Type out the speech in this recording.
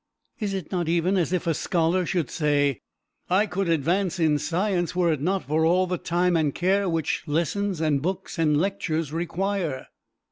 Is it not even as if a scholar should say, I could advance in science were it not for all the time and care which lessons, and books, and lectures require?